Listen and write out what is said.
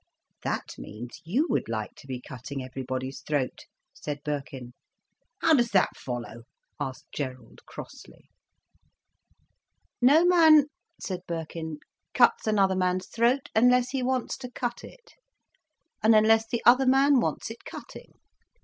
"That means you would like to be cutting everybody's throat," said Birkin. "How does that follow?" asked Gerald crossly. "No man," said Birkin, "cuts another man's throat unless he wants to cut it, and unless the other man wants it cutting.